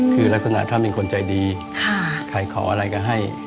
คือลักษณะท่านเป็นคนใจดีใครขออะไรก็ให้